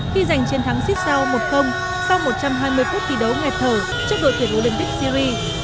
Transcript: khi giành chiến thắng sáu sau một trăm hai mươi phút kỳ đấu nghẹt thở trước đội tuyển olympic series